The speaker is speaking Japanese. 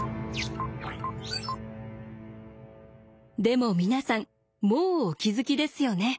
でも皆さんもうお気付きですよね。